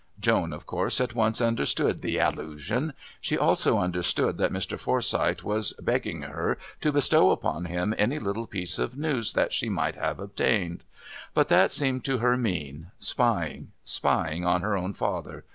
Joan of course at once understood the allusion. She also understood that Mr. Forsyth was begging her to bestow upon him any little piece of news that she might have obtained. But that seemed to her mean spying spying on her own father.